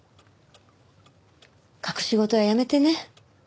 隠し事はやめてね。